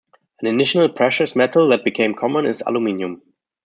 An initially precious metal that became common is aluminium.